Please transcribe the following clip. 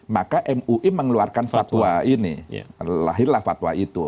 maka mui mengeluarkan fatwa ini lahirlah fatwa itu